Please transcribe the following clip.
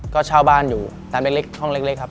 ก็เช่าบ้านอยู่ร้านเล็กห้องเล็กครับ